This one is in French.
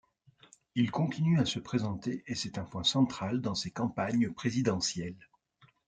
Il continue à se présenter et c’est un point central dans ses campagnes présidentielles.